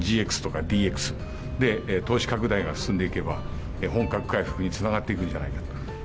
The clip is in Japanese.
ＧＸとか、ＤＸで投資拡大が進んでいけば、本格回復につながっていくんではないか。